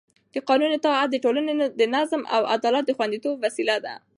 د قانون اطاعت د ټولنې د نظم او عدالت د خونديتوب وسیله ده